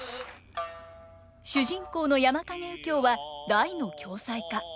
主人公の山蔭右京は大の恐妻家。